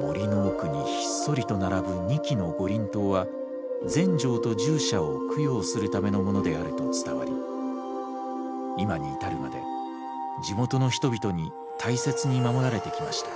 森の奥にひっそりと並ぶ２基の五輪塔は全成と従者を供養するためのものであると伝わり今に至るまで地元の人々に大切に守られてきました。